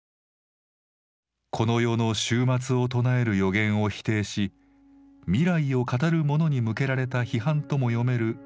この世の終末を唱える予言を否定し未来を語る者に向けられた批判とも読める